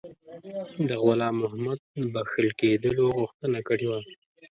د غلام محمد د بخښل کېدلو غوښتنه کړې وه.